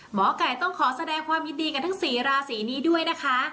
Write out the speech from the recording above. หมอไก่ต้องขอแสดงความยินดีกับทั้ง๔ราศีนี้ด้วยนะคะ